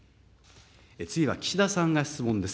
次は岸田さんが質問です。